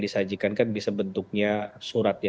disajikan kan bisa bentuknya surat ya